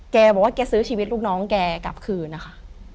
แกบอกว่าแกซื้อชีวิตลูกน้องแกกลับคืนนะคะ